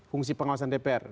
fungsi pengawasan dpr